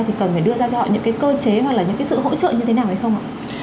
thì cần phải đưa ra cho họ những cái cơ chế hoặc là những cái sự hỗ trợ như thế nào hay không ạ